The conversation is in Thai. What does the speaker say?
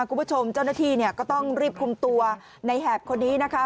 คุณผู้ชมเจ้าหน้าที่เนี่ยก็ต้องรีบคุมตัวในแหบคนนี้นะคะ